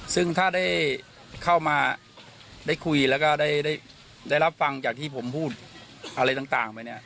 ซึ่งถ้าได้เข้ามาได้คุยแล้วก็ได้รับฟังจากที่ผมพูดอะไรต่างไปเนี่ย